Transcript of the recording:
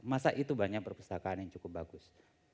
masa itu banyak perpustakaan yang cukup bagus